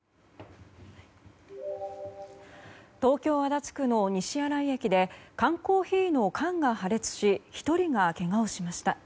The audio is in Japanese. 東京・足立区の西新井駅で缶コーヒーの缶が破裂し１人がけがをしました。